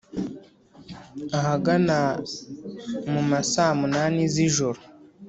ahagana mu masamunani z'ijoro,